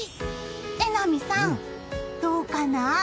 榎並さん、どうかな？